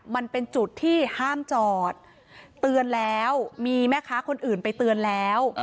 มันเป็นจุดที่ห้ามจอดเตือนแล้วมีแม่ค้าคนอื่นไปเตือนแล้ว